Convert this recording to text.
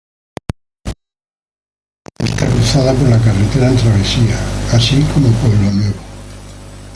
La barriada es cruzada por la carretera en travesía, así como Pueblo Nuevo.